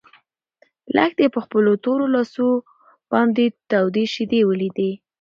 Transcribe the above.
لښتې په خپلو تورو لاسو باندې تودې شيدې ولیدې.